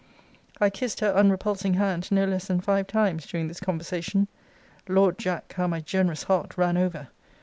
I kissed her unrepulsing hand no less than five times during this conversation. Lord, Jack, how my generous heart ran over!